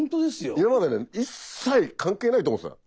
今までね一切関係ないと思ってたの。